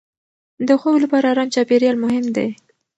د خوب لپاره ارام چاپېریال مهم دی.